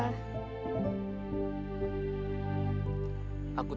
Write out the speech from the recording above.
aku terima kasih